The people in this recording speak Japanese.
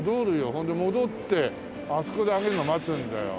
ほんで戻ってあそこであげるのを待つんだよ。